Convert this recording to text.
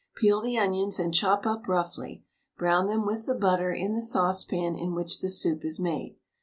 Peel the onions and chop up roughly; brown them with the butter in the saucepan in which the soup is made.